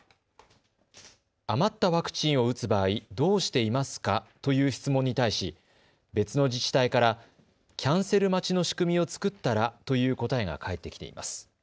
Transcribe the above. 余ったワクチンを打つ場合、どうしていますかという質問に対し別の自治体からキャンセル待ちの仕組みを作ったらという答えが返ってきています。